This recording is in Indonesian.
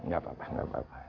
gakpapa gakpapa ya silahkan